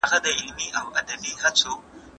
سهارنیو ته سرییل یا شوله اضافه کړئ.